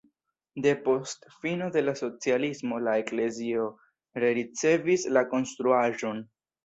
Depost fino de la socialismo la eklezio rericevis la konstruaĵon.